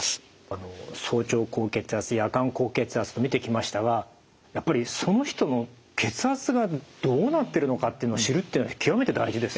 あの早朝高血圧夜間高血圧と見てきましたがやっぱりその人の血圧がどうなってるのかっていうのを知るというのは極めて大事ですね。